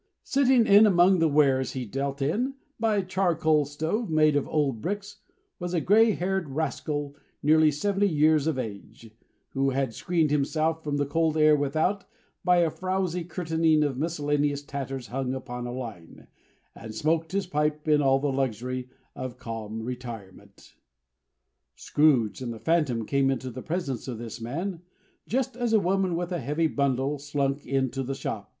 Sitting in among the wares he dealt in, by a charcoal stove, made of old bricks, was a grey haired rascal, nearly seventy years of age; who had screened himself from the cold air without, by a frowsy curtaining of miscellaneous tatters hung upon a line; and smoked his pipe in all the luxury of calm retirement. Scrooge and the Phantom came into the presence of this man, just as a woman with a heavy bundle slunk into the shop.